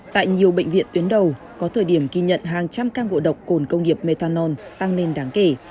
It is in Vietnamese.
tại nhiều bệnh viện tuyến đầu có thời điểm ghi nhận hàng trăm ca ngộ độc cồn công nghiệp methanol tăng lên đáng kể